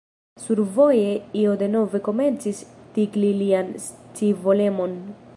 Survoje io denove komencis tikli lian scivolemon.